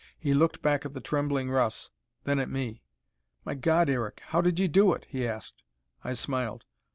He looked back at the trembling Russ, then at me. "My God, Eric, how did you do it?" he asked. I smiled.